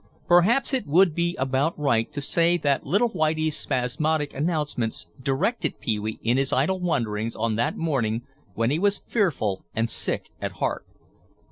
Perhaps it would be about right to say that little Whitie's spasmodic announcements directed Pee wee in his idle wanderings on that morning when he was fearful and sick at heart.